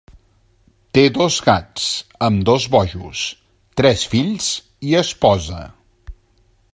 Té dos gats, ambdós bojos, tres fills i esposa.